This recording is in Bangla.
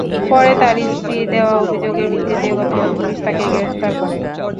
পরে তাঁর স্ত্রীর দেওয়া অভিযোগের ভিত্তিতে গতকাল পুলিশ তাঁকে গ্রেপ্তার করে।